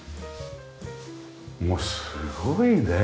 もうすごいね。